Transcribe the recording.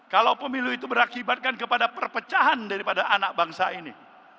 kalau pemilu itu berakibatkan kepada perpecahan daripada anak bangsa ini